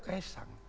begitu juga ks sang